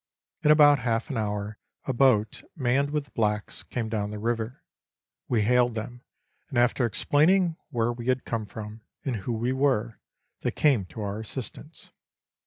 In about half an hour a boat, manned with blacks, came down the river. We hailed them, and after explaining where we had come from, and who we were, they came to our assistance.